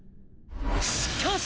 しかし！